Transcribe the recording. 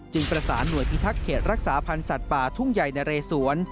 ประสานหน่วยพิทักษ์เขตรักษาพันธ์สัตว์ป่าทุ่งใหญ่นะเรสวน